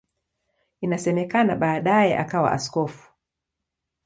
Inasemekana baadaye akawa askofu.